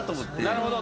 なるほど。